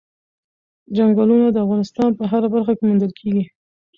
چنګلونه د افغانستان په هره برخه کې موندل کېږي.